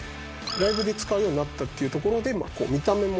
ライブで使うようになったっていうところで見た目も。